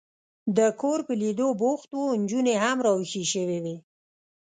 د کور په لیدو بوخت و، نجونې هم را وېښې شوې وې.